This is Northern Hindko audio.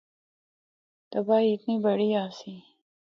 تباہی اتنی بڑی آسی۔